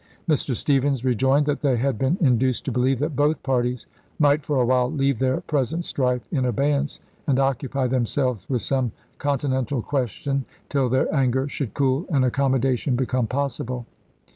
Mr. Stephens rejoined that they had been induced Feb. 3, lses. to believe that both parties might for a while leave their present strife in abeyance and occupy them selves with some continental question till their anger should cool and accommodation become possible.